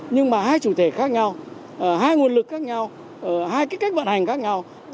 nhưng mà hai chủ thể khác nhau hai nguồn lực khác nhau hai cái cách vận hành khác nhau